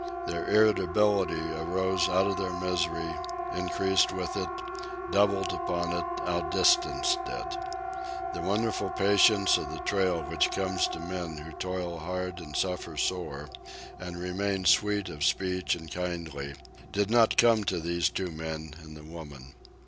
Their irritability arose out of their misery, increased with it, doubled upon it, outdistanced it. The wonderful patience of the trail which comes to men who toil hard and suffer sore, and remain sweet of speech and kindly, did not come to these two men and the woman.